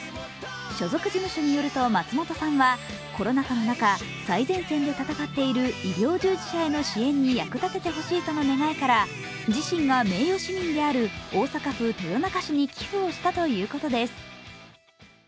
所属事務所によると松本さんはコロナ禍の中最前線で戦っている医療従事者への支援に役立ててほしいとの願いから自身が名誉市民である大阪府豊中市に寄付をしたということです。